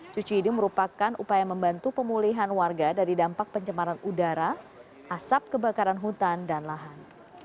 cuci ini merupakan upaya membantu pemulihan warga dari dampak pencemaran udara asap kebakaran hutan dan lahan